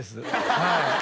はい